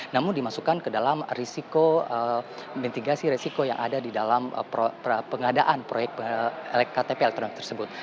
namun dimasukkan ke dalam risiko mitigasi resiko yang ada di dalam pengadaan proyek ktp elektronik tersebut